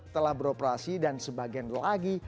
telah beroperasi dan sebagian lagi